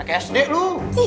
kayak sd lu